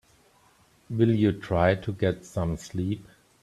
Will you try to get some sleep?